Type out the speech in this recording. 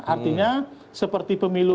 artinya seperti pemilu